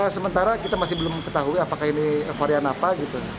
sementara kita masih belum ketahui apakah ini varian apa gitu